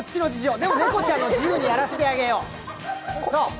でも、猫ちゃんに自由にやらせてあげよう。